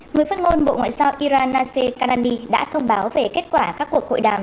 người phát ngôn bộ ngoại giao iran naseh kanani đã thông báo về kết quả các cuộc hội đàm